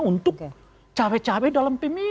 untuk menurut cawek cawek dalam tim ini